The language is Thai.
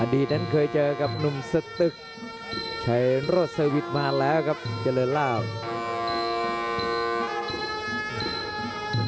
นั้นเคยเจอกับหนุ่มสตึกชัยโรดเซอร์วิทย์มาแล้วครับเจริญลาบ